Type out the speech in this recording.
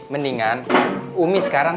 mendingan umi sekarang